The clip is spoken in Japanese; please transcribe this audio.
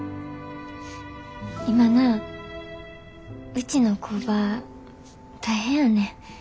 今なうちの工場大変やねん。